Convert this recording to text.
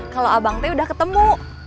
kalau abang t udah ketemu